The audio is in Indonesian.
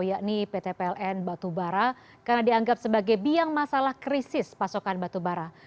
yakni pt pln batubara karena dianggap sebagai biang masalah krisis pasokan batubara